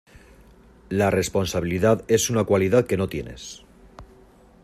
La responsabilidad es una cualidad que no tienes.